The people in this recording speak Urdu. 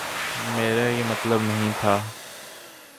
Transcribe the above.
میرا یہ مطلب نہیں تھا۔